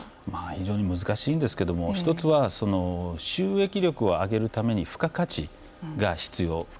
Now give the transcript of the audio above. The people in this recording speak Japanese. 非常に難しいんですが１つは収益力を上げるために付加価値が必要。